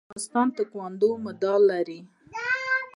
د افغانستان تکواندو مډال لري